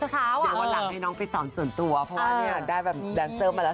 เดี๋ยววันหลังให้น้องไปสอนส่วนตัวเพราะว่าเนี่ยได้แบบแดนเซอร์มาแล้ว